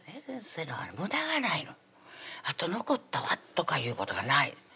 先生のはむだがないのあと残ったわとかいうことがない